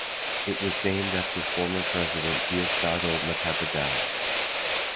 It was named after former President Diosdado Macapagal.